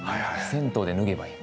銭湯で見ればいい。